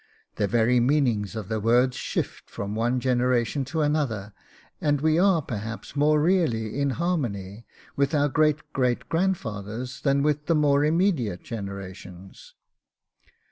The very meanings of the words shift from one generation to another, and we are perhaps more really in harmony with our great great grandfathers than with the more immediate generations.